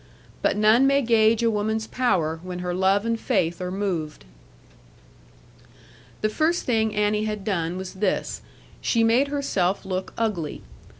But none may gauge a woman's power, when her love and faith are moved. The first thing Annie had done was this: she made herself look ugly.